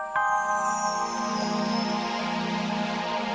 tante mau numpang siapa